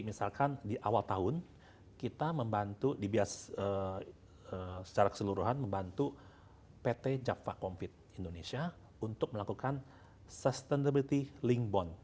misalkan di awal tahun kita membantu dibias secara keseluruhan membantu pt jakva compete indonesia untuk melakukan sustainability link bond